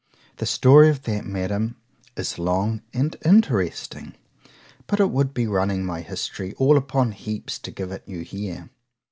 The story of that, Madam, is long and interesting;—but it would be running my history all upon heaps to give it you here.